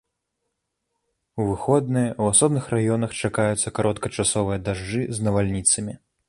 У выходныя ў асобных раёнах чакаюцца кароткачасовыя дажджы з навальніцамі.